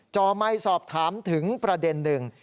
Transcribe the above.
จ่อไมค์สอบถามถึงประเด็นหนึ่ง